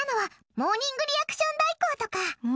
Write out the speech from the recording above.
モーニングリアクション代行？